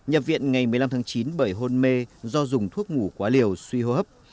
nhập viện ngày một mươi năm tháng chín bởi hôn mê do dùng thuốc ngủ quá liều suy hô hấp